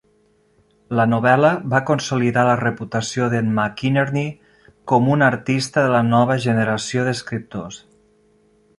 La novel·la va consolidar la reputació de"n McInerney com un artista de la nova generació d"escriptors.